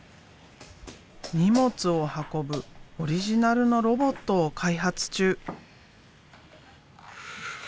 荷物を運ぶオリジナルのロボットを開発中。